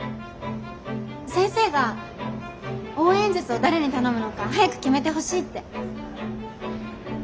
先生が応援演説を誰に頼むのか早く決めてほしいって。